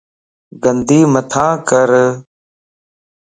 گندي مٿان ڪر